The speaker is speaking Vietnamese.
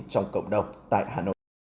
học đồng tại hà nội